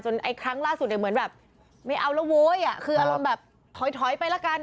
จนครั้งล่าสุดเหมือนแบบไม่เอาแล้วโว้ยคืออารมณ์แบบถอยไปแล้วกัน